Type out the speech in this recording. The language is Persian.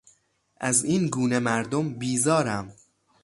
از این گونه مردم بیزارم.